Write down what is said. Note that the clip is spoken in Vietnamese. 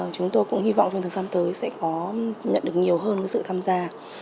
chúng tôi cũng hy vọng trong thời gian tới sẽ có nhận được nhiều hơn sự tham gia